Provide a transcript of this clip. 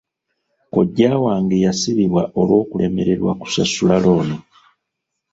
Kojja wange yasibibwa olw'okulemererwa kusasula looni.